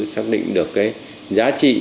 xác định được cái giá trị